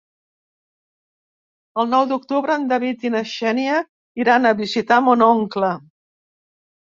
El nou d'octubre en David i na Xènia iran a visitar mon oncle.